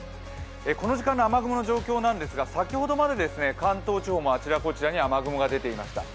この時間の雨雲の状況なんですが先ほどまで関東地方もあちらこちらに雨雲が出ていました。